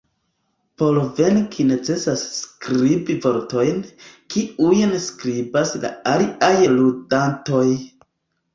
Por venki necesas skribi vortojn, kiujn skribas la aliaj ludantoj.